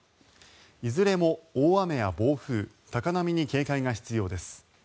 いずれも大雨や暴風、高波に警戒が必要です。